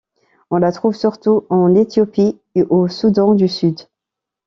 On la trouve surtout en Éthiopie et au Soudan du Sud.